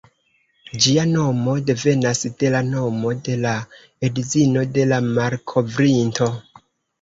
Ĝia nomo devenas de la nomo de la edzino de la malkovrinto.